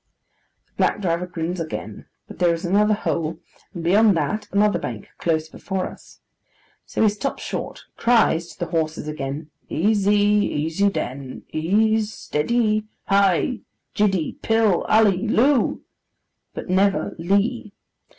The black driver grins again, but there is another hole, and beyond that, another bank, close before us. So he stops short: cries (to the horses again) 'Easy. Easy den. Ease. Steady. Hi. Jiddy. Pill. Ally. Loo,' but never 'Lee!